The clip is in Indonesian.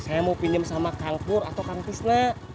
saya mau pinjam sama kangkur atau kangkusnya